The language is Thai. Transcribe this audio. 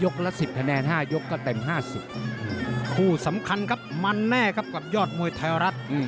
คู่สำคัญครับมันแน่ครับกับยอดมวยไทยรัฐ